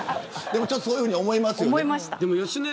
でもそういうふうに思いますよね。